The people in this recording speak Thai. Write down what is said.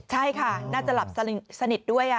ใช่ค่ะน่าจะหลับสนิทด้วย